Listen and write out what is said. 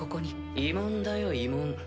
慰問だよ慰問。